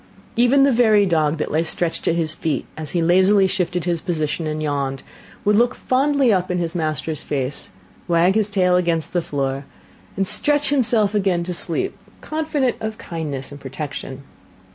Even the very dog that lay stretched at his feet, as he lazily shifted his position and yawned, would look fondly up in his master's face, wag his tail against the floor, and stretch himself again to sleep, confident of kindness and protection.